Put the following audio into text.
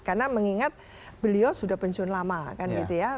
karena mengingat beliau sudah pensiun lama kan gitu ya